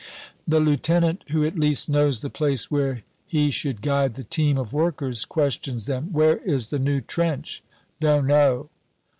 The lieutenant, who at least knows the place where he should guide the team of workers, questions them, "Where is the New Trench?" "Don't know."